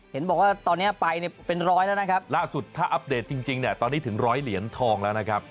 เห็นบอกว่าตอนนี้ไปเนี่ยเป็นร้อยแล้วนะครับล่าสุดถ้าอัปเดตจริงเนี่ยตอนนี้ถึงร้อยเหรียญทองแล้วนะครับ